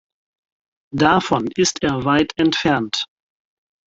Davon ist er weit entfernt.